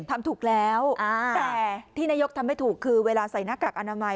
ทำถูกแล้วแต่ที่นายกทำไม่ถูกคือเวลาใส่หน้ากากอนามัย